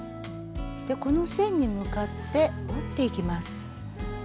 この線に向かって折っていきます。